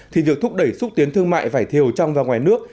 thì việc thúc đẩy xúc tiến thương mại vải thiều trong và ngoài nước